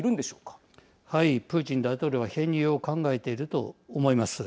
プーチン大統領は編入を考えていると思います。